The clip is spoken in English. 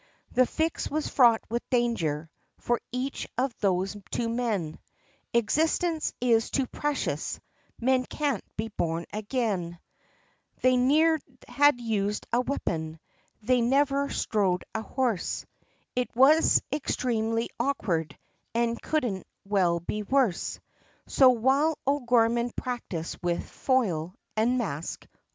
The fix was fraught with danger, for each of those two men, Existence is too precious, man can't be born again; They ne'er had used a weapon, they never strode a horse, It was extremely awkward, and couldn't well be worse. So while O'Gorman practised with foil, and mask.